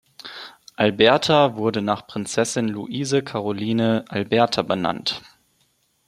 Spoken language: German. Alberta wurde nach Prinzessin Louise Caroline Alberta benannt.